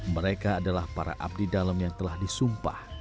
mereka adalah para abdi dalam yang telah disumpah